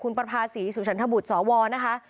คุณประภาษีสทสวนะคะ